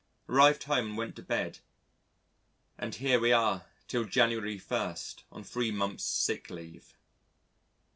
Arrived home and went to bed and here we are till Jan. 1st on 3 months' sick leave.